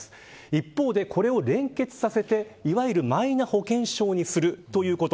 一方で、これを連結させてマイナ保険証にするということ。